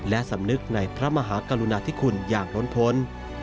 และสำนึกในพระมหากรุณาธิคุณอย่างล้นพ้น